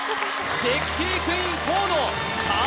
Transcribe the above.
絶景クイーン河野！